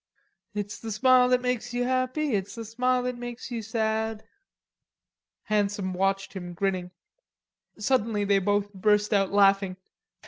"It's the smile that makes you happy, It's the smile that makes you sad." Handsome watched him, grinning. Suddenly they both burst out laughing.